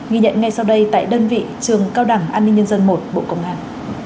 ghi nhận ngay sau đây tại đơn vị trường cao đẳng an ninh nhân dân một bộ công an